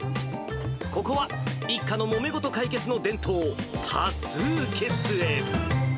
ここは一家のもめ事解決の伝統、多数決へ。